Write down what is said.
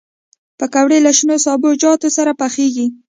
پکورې له شنو سابهجاتو سره پخېږي